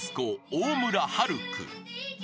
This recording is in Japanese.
大村晴空］